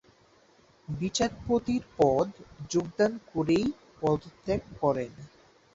বিচারপতির পদ যোগদান করেই পদত্যাগ করেন।